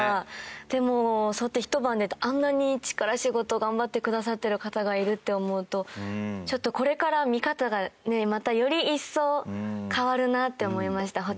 でもそうやってひと晩であんなに力仕事頑張ってくださってる方がいるって思うとちょっとこれから見方がねまたより一層変わるなって思いましたホテルとかの。